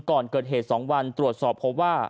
ก่อนเกิดเหตุ๒วันตรวจสอบพบว่า